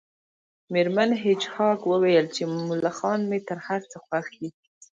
میرمن هیج هاګ وویل چې ملخان مې تر هر څه خوښ دي